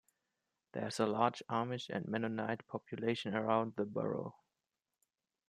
There is a large Amish and Mennonite population around the borough.